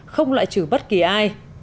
không lại chử bất kỳ ai